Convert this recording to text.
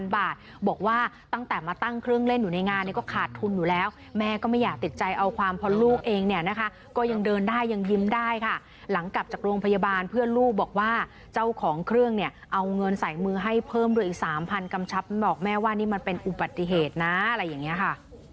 บอกว่าตั้งแต่มาตั้งเครื่องเล่นอยู่ในงานเนี่ยก็ขาดทุนอยู่แล้วแม่ก็ไม่อยากติดใจเอาความเพราะลูกเองเนี่ยนะคะก็ยังเดินได้ยังยิ้มได้ค่ะหลังกลับจากโรงพยาบาลเพื่อนลูกบอกว่าเจ้าของเครื่องเนี่ยเอาเงินใส่มือให้เพิ่มด้วยอีก๓๐๐กำชับบอกแม่ว่านี่มันเป็นอุบัติเหตุนะอะไรอย่างนี้ค่ะ